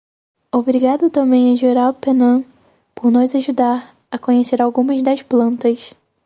Obrigado também a Gerald Pennant por nos ajudar a conhecer algumas das plantas.